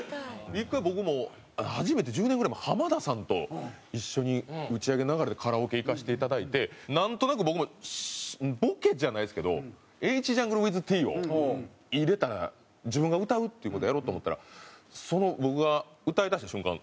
１回僕も初めて１０年ぐらい前浜田さんと一緒に打ち上げの流れでカラオケ行かせていただいてなんとなく僕もボケじゃないですけどＨＪｕｎｇｌｅｗｉｔｈｔを入れたら自分が歌うっていう事をやろうと思ったら僕が歌い出した瞬間